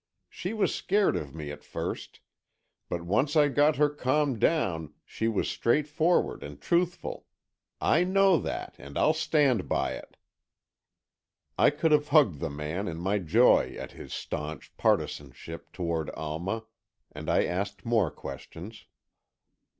She was scared of me at first, but once I got her calmed down she was straightforward and truthful. I know that, and I'll stand by it." I could have hugged the man in my joy at his staunch partisanship toward Alma, and I asked more questions.